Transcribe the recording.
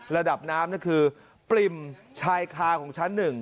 ระดับน้ำนั่นคือปริ่มชายคาของชั้น๑